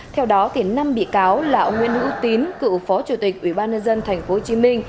theo đó tiến năm bị cáo là ông nguyễn hữu tín cựu phó chủ tịch ủy ban nân dân tp hcm